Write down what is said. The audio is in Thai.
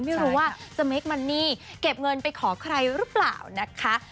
ไม่รู้ว่าสเมคมันนี่เก็บเงินไปขอใครหรือเปล่านะคะ